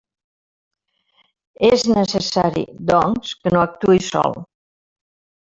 És necessari, doncs, que no actuï sol.